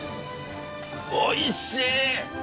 おいしい！